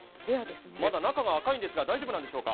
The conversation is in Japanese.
まだ中が赤いんですが大丈夫なんでしょうか。